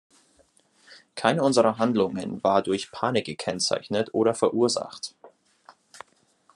Keine unserer Handlungen war durch Panik gekennzeichnet oder verursacht.